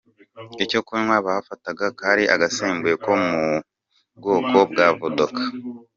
Icyo kunywa bafataga kari agasembuye ko mu bwoko bwa Vodka.